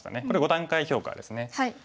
これ５段階評価ですね。